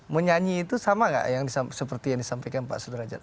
menyanyi itu sama nggak seperti yang disampaikan pak sudrajat